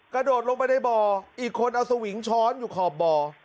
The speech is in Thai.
กระโดดลงไปในบ่ออีกคนเอาสวิงช้อนอยู่ขอบบ่อ